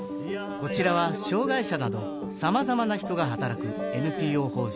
こちらは障害者など様々な人が働くＮＰＯ法人